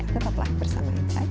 tetap bersama insya allah